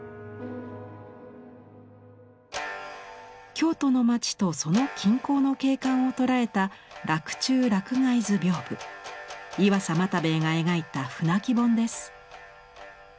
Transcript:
京都の町とその近郊の景観を捉えた岩佐又兵衛が描いた舟木本です。